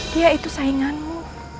dia itu sainganmu